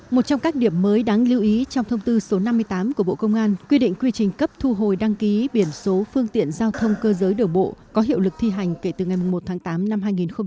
một trong các điểm mới đáng lưu ý trong thông tư số năm mươi tám của bộ công an quy định quy trình cấp thu hồi đăng ký biển số phương tiện giao thông cơ giới đường bộ có hiệu lực thi hành kể từ ngày một tháng tám năm hai nghìn hai mươi